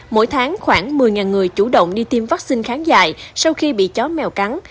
mỗi tháng khoảng một mươi người chủ động đi tiêm vaccine kháng dại sau khi bị chó mèo cắn